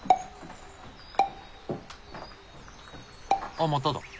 あっまただ。